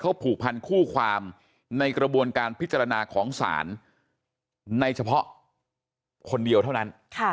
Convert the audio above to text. เขาผูกพันคู่ความในกระบวนการพิจารณาของศาลในเฉพาะคนเดียวเท่านั้น